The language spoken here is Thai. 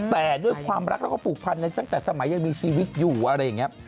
แต่ด้วยความรักแล้วก็ผูกพันในตั้งแต่สมัยยังมีชีวิตอยู่อะไรอย่างนี้